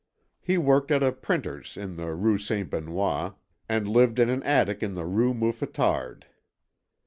He worked at a printer's in the Rue St. Benoît, and lived in an attic in the Rue Mouffetard.